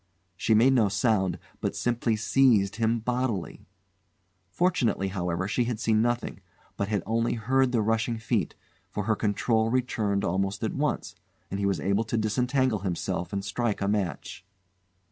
She made no sound, but simply seized him bodily. Fortunately, however, she had seen nothing, but had only heard the rushing feet, for her control returned almost at once, and he was able to disentangle himself and strike a match.